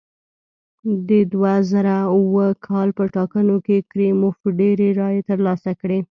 د دوه زره اووه کال په ټاکنو کې کریموف ډېرې رایې ترلاسه کړې.